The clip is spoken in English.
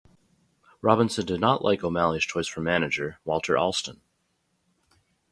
Robinson did not like O'Malley's choice for manager, Walter Alston.